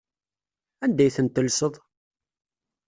Anda ay tent-tellseḍ?